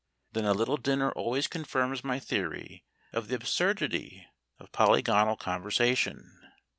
Then a little dinner always confirms my theory of the absurdity of polygonal conversation.